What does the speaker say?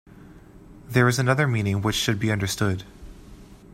There is another meaning which should be understood.